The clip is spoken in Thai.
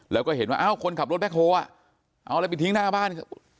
แล้วก็เห็นว่าคนขับรถแบ็คโฮเอาอะไรไปทิ้งหน้าบ้าน